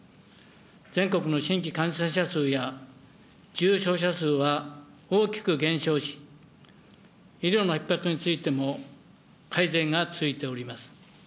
全国の新規感染者数や重症者数は大きく減少し、医療のひっ迫についても、改善が続いております。